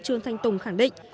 trương thanh tùng khẳng định